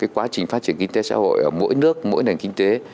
quá trình phát triển kinh tế xã hội ở mỗi nước mỗi nền kinh tế